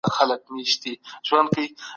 موږ د بشريت د فلاح له پاره کار کاوه.